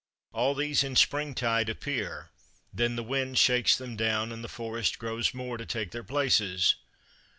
All these "in springtide appear;" then the wind shakes them down, and the forest grows more to take their places.